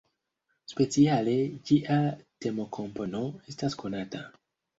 Speciale ĝia temokompono estas konata.